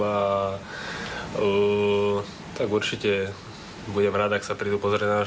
ในปูเจนร้านนี้ก็ออกมาได้